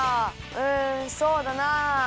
うんそうだなあ。